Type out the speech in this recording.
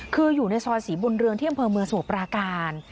คืออยู่ในซอยสีบนเรืองเที่ยงเผลอเมืองสมุกปราการ